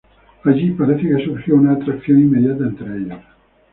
Allí parece que surgió una atracción inmediata entre ellos.